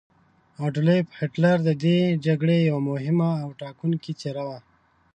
اډولف هیټلر د دې جګړې یوه مهمه او ټاکونکې څیره وه.